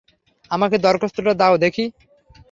আমাকে দরখাস্তটা দাও দেখি।